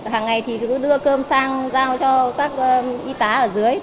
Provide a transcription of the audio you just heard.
hàng ngày thì cứ đưa cơm sang giao cho các y tá ở dưới